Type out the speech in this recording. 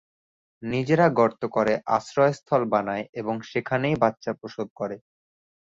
নিজেরা গর্ত করে আশ্রয়স্থল বানায় এবং সেখানেই বাচ্চা প্রসব করে।